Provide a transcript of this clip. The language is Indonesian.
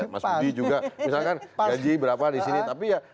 mas budi juga misalkan gaji berapa di sini tapi ya